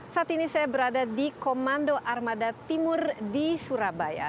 saat ini saya berada di komando armada timur di surabaya